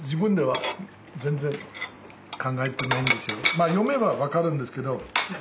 まあ読めば分かるんですけど。